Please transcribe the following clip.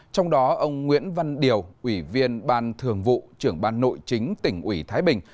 trong đó ông nguyễn văn điều ủy viên ban thường vụ trưởng ban nội chính tỉnh ủy thái bình